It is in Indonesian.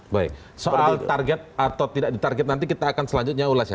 baik soal target atau tidak di target nanti kita akan selanjutnya ulas ya